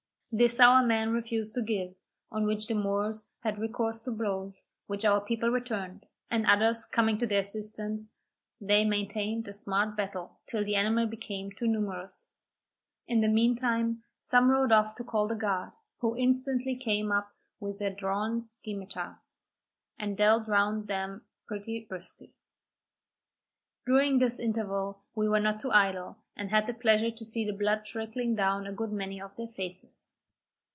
This our men refused to give, on which the Moors had recourse to blows, which our people returned; and others coming to their assistance, they maintained a smart battle, till the enemy became too numerous. In the meantime some rode off to call the guard, who instantly came up with their drawn scimetars, and dealt round them pretty briskly. During this interval we were not idle, and had the pleasure to see the blood trickling down a good many of their faces.